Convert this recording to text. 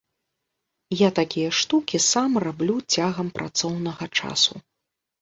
Я такія штукі сам раблю цягам працоўнага часу.